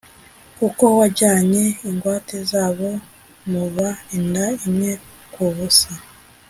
kuko wajyanye ingwate z’abo muva inda imwe ku busa,